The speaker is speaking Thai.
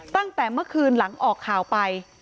ตั้งแต่เมื่อคืนหลังออกข่าวไป